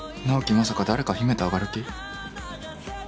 まさか誰か姫と上がる気？